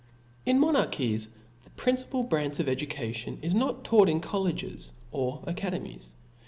T N monarchies the principal branch of education ^ is not taught in colleges or academies.